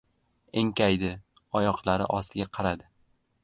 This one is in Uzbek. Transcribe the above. Enkaydi, oyoqlari ostiga qaradi.